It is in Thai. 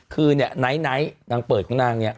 คือเนี่ยไนท์นางเปิดของนางเนี่ย